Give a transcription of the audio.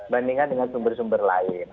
bandingkan dengan sumber sumber lain